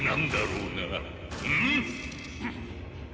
うん！？